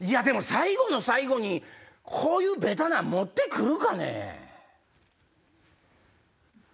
でも最後の最後にこういうベタなん持って来るかね？